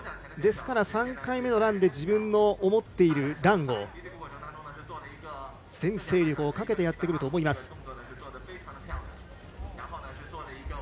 ですから、３回目のランで自分の思っているランを全精力をかけてやってくると思います。